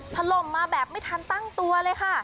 ถล่มมาแบบไม่ทันตั้งตัวเลยค่ะ